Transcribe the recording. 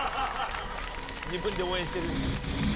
自分で応援してる。